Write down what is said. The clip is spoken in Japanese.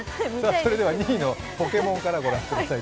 では２位のポケモンからご覧ください。